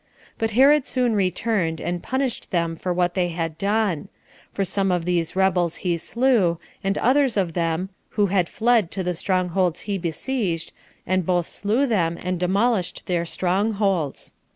But Herod soon returned, and punished them for what they had done; for some of these rebels he slew, and others of them, who had fled to the strong holds he besieged, and both slew them, and demolished their strong holds.